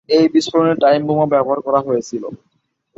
এই বিস্ফোরণে টাইম বোমা ব্যবহার করা হয়েছিল।